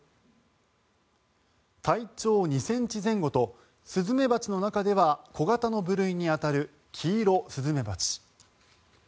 体長２ｃｍ前後とスズメバチの中では小型の部類に当たるキイロスズメバチ。